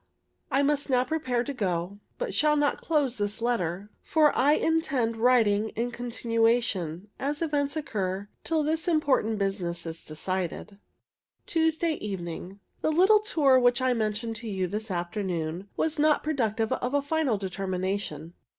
I must now prepare to go, but shall not close this letter, for I intend writing in continuation, as events occur, till this important business is decided. Tuesday evening. The little tour which I mentioned to you this afternoon was not productive of a final determination.